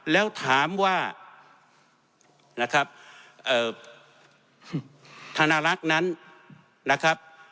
แล้วถามว่านะครับธนรักษ์นั้นนะครับ